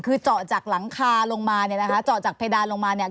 คือเจาะจากหลังคาลงมาเนี่ยนะคะเจาะจากเพดานลงมาเนี่ย